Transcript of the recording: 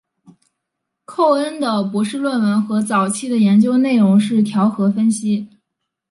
寇恩的博士论文和早期的研究内容是调和分析。